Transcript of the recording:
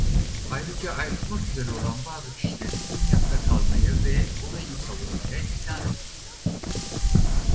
Ayrıca ayrılmak üzere olan bazı kişileri Dimyat'ta kalmaya ve orayı savunmaya ikna etti.